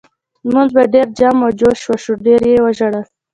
لمونځ په ډېر جم و جوش وشو ډېر یې وژړل.